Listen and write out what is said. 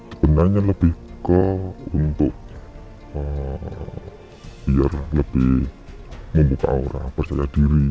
sebenarnya lebih ke untuk biar lebih membuka aura